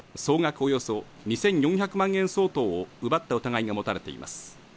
およそ２４００万円相当を奪った疑いが持たれています。